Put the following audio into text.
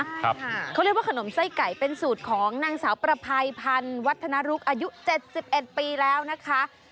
ใช่ค่ะเขาเรียกว่าขนมไส้ไก่เป็นสูตรของนางสาวประภัยพันธ์วัฒนรุกอายุ๗๑ปีแล้วนะคะ